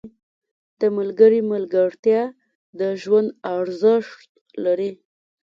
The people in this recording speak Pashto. • د ملګري ملګرتیا د ژوند ارزښت لري.